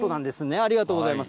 ありがとうございます。